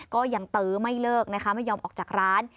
ก็ยังตื้อไม่เลิกนะคะไม่ยอมออกจากร้าน